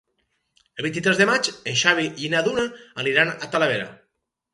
El vint-i-tres de maig en Xavi i na Duna aniran a Talavera.